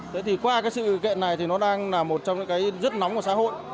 thế thì qua cái sự kiện này thì nó đang là một trong những cái rất nóng của xã hội